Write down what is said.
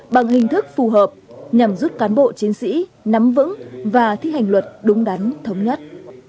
bằng hình thức phù hợp nhằm giúp cán bộ chiến sĩ nắm vững và thi hành luật đúng đắn thống nhất